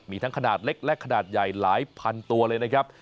มีทั้งขนาดเล็กและขนาดใหญ่หลายพันตัวเลยนะครับ